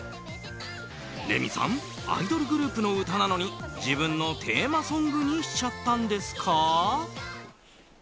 レミさんアイドルグループの歌なのに自分のテーマソングにしちゃったんですか？